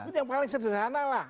tapi yang paling sederhana lah